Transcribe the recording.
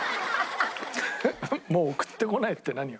「もう送ってこない」って何よ？